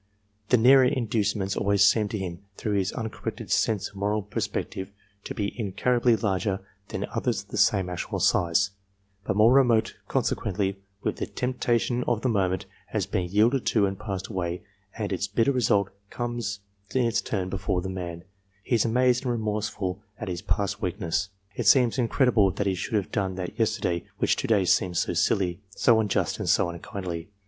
The nearer inducements always seem to him, through his uncorrected sense of moral per spective, to be incomparably larger than others of the same actual size, but more remote ; consequently, when the temp tation of the moment has been yielded to and passed away, and its bitter result comes in its turn before the man, he is amazed and remorseful at his past weakness. It seems incredible that he should have done that yester day which to day seems so silly, so unjust, and so unkindly.